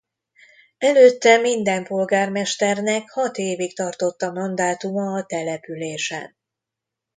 Előtte minden polgármesternek hat évig tartott a mandátuma a településen.